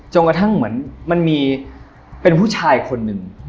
กระทั่งเหมือนมันมีเป็นผู้ชายคนหนึ่ง